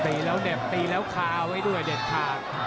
ตีแล้วเหน็บตีแล้วคาไว้ด้วยเด็ดขาด